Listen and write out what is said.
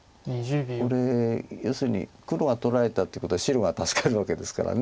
これ要するに黒が取られたってことは白が助かるわけですから。